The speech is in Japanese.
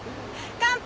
乾杯！